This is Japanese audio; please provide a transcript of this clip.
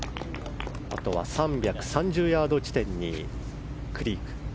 あとは３３０ヤード地点にクリーク。